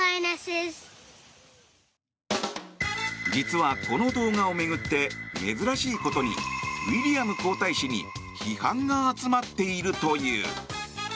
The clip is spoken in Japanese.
実は、この動画を巡って珍しいことにウィリアム皇太子に批判が集まっているという。